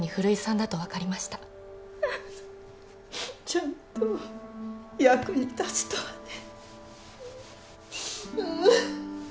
ちゃんと役に立つとはね。